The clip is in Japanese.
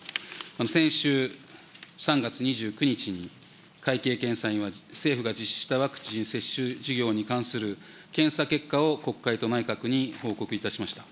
先週３月２９日に、会計検査院は政府が実施したワクチン接種事業に関する検査結果を国会と内閣に報告いたしました。